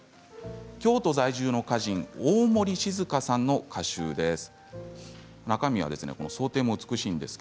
京都在住の歌人大森静佳さんの歌集です。